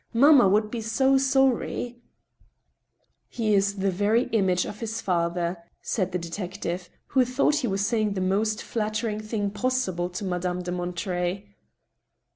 Mamma would be so sorry !"" He is the very image of his father," said the detective, who thought he was saying the most flattering thing possible to Madame de Monterey.